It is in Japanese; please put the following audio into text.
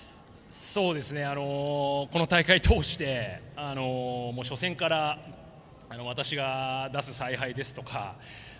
この大会通して初戦から私が出す采配ですとか